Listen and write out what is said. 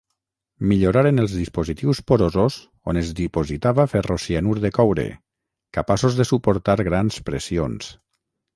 Milloraren els dispositius porosos on es dipositava ferrocianur de coure, capaços de suportar grans pressions.